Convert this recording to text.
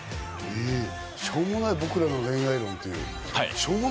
『しょうもない僕らの恋愛論』。